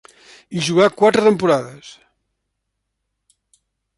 Hi jugà quatre temporades.